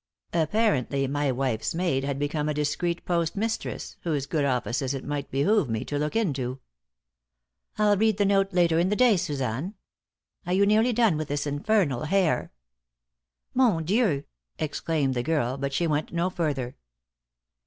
Apparently my wife's maid had become a discreet postmistress, whose good offices it might behoove me to look into. "I'll read the note later in the day, Suzanne. Are you nearly done with this infernal hair?" "Mon Dieu!" exclaimed the girl, but she went no further.